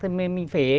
thì mình phải